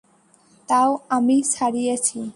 তাও আমি ছাড়িয়েছি।